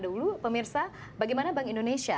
dulu pemirsa bagaimana bank indonesia